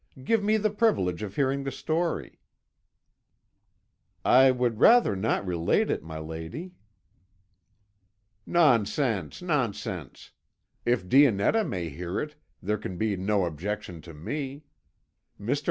Give me the privilege of hearing the story." "I would rather not relate it, my lady." "Nonsense, nonsense! If Dionetta may hear it, there can be no objection to me. Mr.